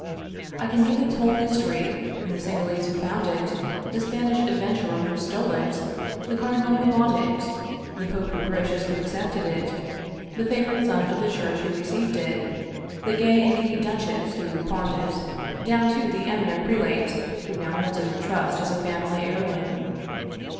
I can give its whole history, from the Cingalese who found it, the Spanish ad venturer who stole it, the cardinal who bought it, the Pope who graciously accepted it, the favored son of the Church who received it, the gay and giddy duchess who pawned it, down to the eminent prelate who now holds it in trust as a family heirloom.